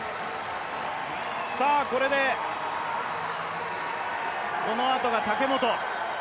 これで、このあとが武本。